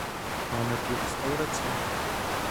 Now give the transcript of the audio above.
Máme tu restauraci?